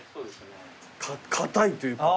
硬いというか。